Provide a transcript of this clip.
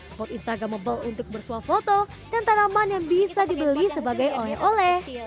spot instagramable untuk bersuah foto dan tanaman yang bisa dibeli sebagai oleh oleh